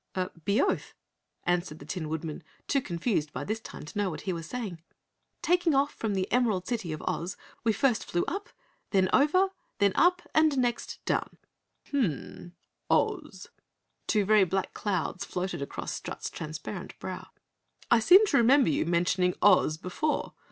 "Be oth," answered the Tin Woodman, too confused by this time to know what he was saying. "Taking off from the Emerald City of Oz, we first flew up, then over, then up and next down!" "Hmm mmmn, OZ?" Two very black clouds floated across Strut's transparent brow. "I seem to remember your mentioning Oz before!